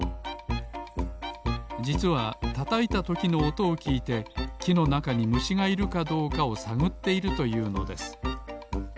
じつはたたいたときのおとをきいてきのなかにむしがいるかどうかをさぐっているというのです。